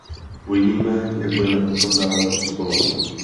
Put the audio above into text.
Uvidíme, jak budeme potom dále postupovat.